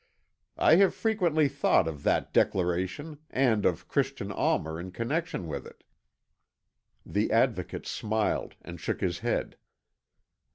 I have frequently thought of that declaration and of Christian Almer in connection with it." The Advocate smiled and shook his head.